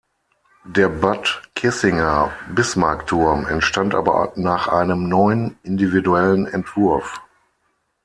Der Bad Kissinger Bismarckturm entstand aber nach einem neuen, individuellen Entwurf.